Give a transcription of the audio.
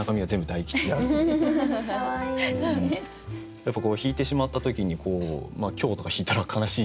やっぱこう引いてしまった時に凶とか引いたら悲しい。